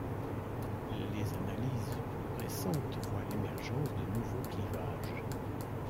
Les analyse plus récentes voient l'émergence de nouveaux clivages.